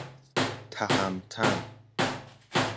تهمتن